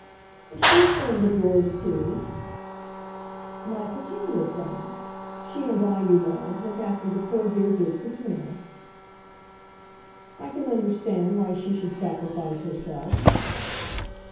"Is she a friend of yours, too?" "My particular friend. She and I, you know, look after the poor dear Duke between us." "I can understand why she should sacrifice herself."